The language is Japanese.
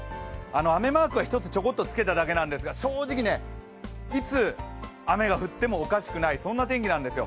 雨マークは１つちょこっとつけただけなんですが正直、いつ雨が降ってもおかしくない、そんな天気なんですよ。